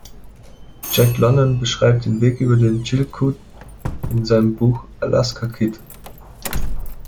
Jack London beschreibt den Weg über den Chilkoot in seinem Buch Alaska-Kid.